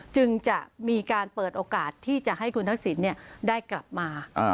จึงจะมีการเปิดโอกาสที่จะให้คุณทักษิณได้กลับมา